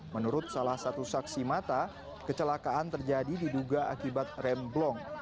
menurut salah satu saksi mata kecelakaan terjadi diduga akibat remblong